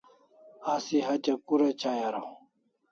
Asi hatya kura chai araw?